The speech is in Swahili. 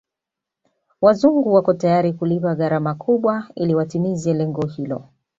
Wazungu wako tayari kulipa gharama kubwa ili watimize lengo hilo